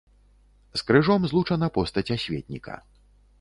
З крыжом злучана постаць асветніка.